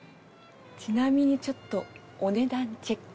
ちなみにちょっとお値段チェック。